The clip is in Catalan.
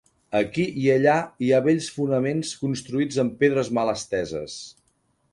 Aquí i allà hi ha vells fonaments construïts amb pedres mal esteses.